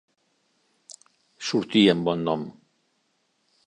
Sortir amb bon nom.